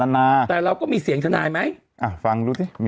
แต่เราก็มีเสียงทนายไหม